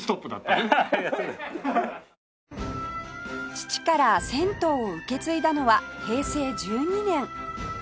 父から銭湯を受け継いだのは平成１２年